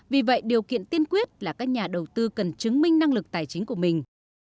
vì vậy điều kiện tiên quyết là các nhà đầu tư cần chứng minh năng lực tài chính của mình